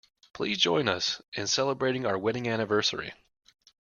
Please join us in celebrating our wedding anniversary